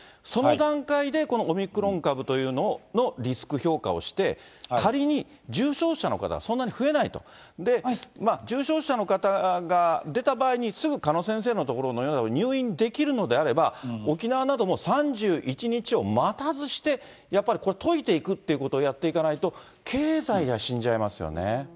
その段階で、このオミクロン株というののリスク評価をして、仮に重症者の方がそんなに増えないと、で、重症者の方が出た場合に、すぐ鹿野先生の所のような入院できるのであれば、沖縄なども３１日を待たずして、やっぱりこれ、といていくってことをやっていかないと、経済が死んじゃいますよ